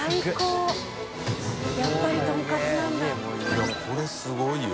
いこれすごいよ。